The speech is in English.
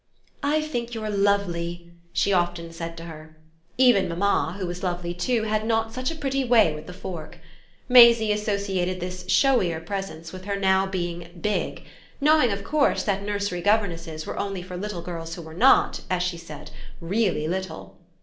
"I think you're lovely," she often said to her; even mamma, who was lovely too, had not such a pretty way with the fork. Maisie associated this showier presence with her now being "big," knowing of course that nursery governesses were only for little girls who were not, as she said, "really" little.